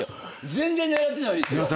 全然狙ってないですよ。